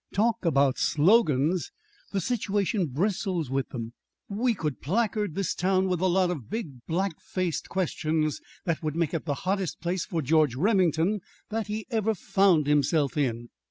Talk about slogans! The situation bristles with them! We could placard this town with a lot of big black faced questions that would make it the hottest place for George Remington that he ever found himself in.